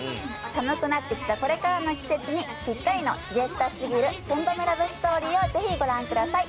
寒くなってきたこれからの季節にぴったりのじれったすぎる寸止めラブストーリーをぜひご覧ください。